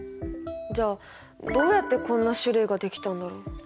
じゃあどうやってこんな種類ができたんだろう？